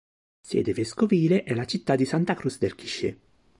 Sede vescovile è la città di Santa Cruz del Quiché.